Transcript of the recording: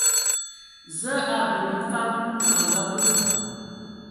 Zǝǝ a bǝbǝ mfag Kulu a ngabǝ.